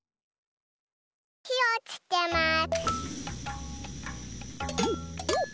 ひをつけます。